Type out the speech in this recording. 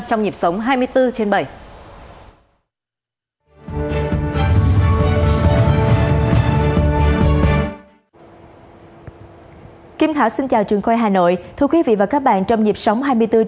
trong nhịp sống hai mươi bốn